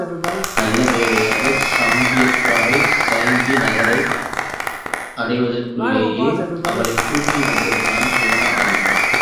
நல்ல வேளையாகச் சாங்கியத் தாய் சயந்தி நகரத்தை அடைவதற்குள்ளேயே அவளைக் கூட்டி வந்திருந்தான் போன ஆள்.